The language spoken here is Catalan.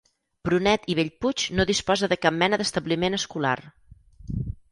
Prunet i Bellpuig no disposa de cap mena d'establiment escolar.